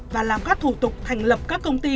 và làm các thủ tục thành lập các công ty